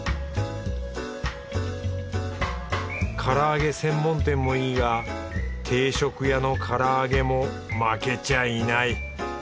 唐揚げ専門店もいいが定食屋の唐揚げも負けちゃいない！